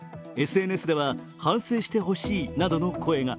ＳＮＳでは反省してほしいなどの声が